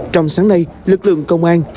trong sáng nay lực lượng công an